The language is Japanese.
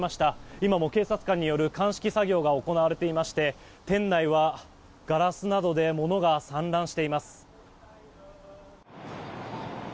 今も警察官による鑑識作業が行われていまして店内はガラスなどで物が散乱しています。